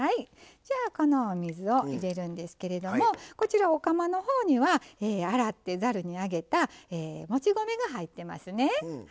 じゃあこのお水を入れるんですけれどもこちらお釜の方には洗ってざるに上げたもち米が入ってますね。